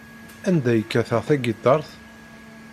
Anda ay kkateɣ tagiṭart?